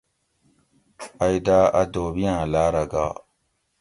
ائی داۤ اۤ دھوبیاۤں لاۤرہ گا